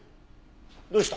どうした？